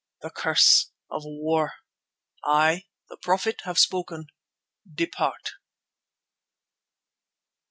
The curse of war. I the prophet have spoken. Depart."